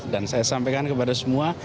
dan saya sampaikan kepada semua